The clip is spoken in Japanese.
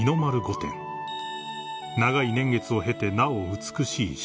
［長い年月を経てなお美しい障壁画］